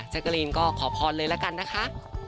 กะรีนก็ขอพรเลยละกันนะคะ